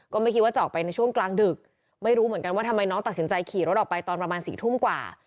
ก็ไม่คิดว่าจะออกไปในช่วงกลางดึกไม่รู้เหมือนกันว่าทำไมน้องตัดสินใจขี่รถออกไปตอนประมาณ๔ทุ่มกว่า